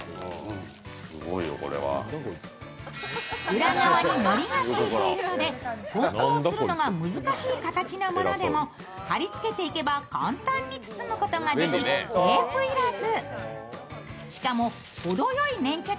裏側にのりがついているので梱包するのが難しい形でも貼りつけていけば簡単に包むことができ、テープ要らず。